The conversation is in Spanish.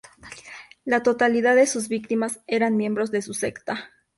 La totalidad de sus víctimas eran miembros de su secta.